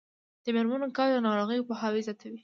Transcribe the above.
د میرمنو کار د ناروغیو پوهاوی زیاتوي.